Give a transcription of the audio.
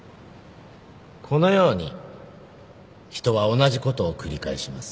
このように人は同じことを繰り返します。